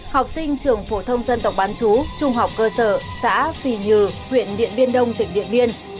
học sinh trường phổ thông dân tộc bán chú trung học cơ sở xã phì nhừ huyện điện biên đông tỉnh điện biên